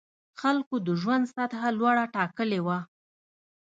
خلکو د ژوند سطح لوړه ټاکلې وه.